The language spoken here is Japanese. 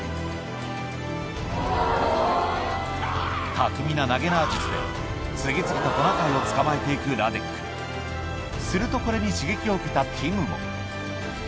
巧みな投げ縄術で次々とトナカイを捕まえて行くラデックするとこれに刺激を受けたティムも行け！